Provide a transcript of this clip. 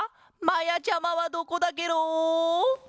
まやちゃまはどこだケロ！